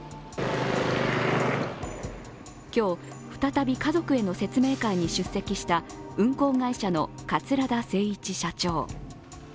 今日、再び家族への説明会に出席した運航会社の桂田精一社長。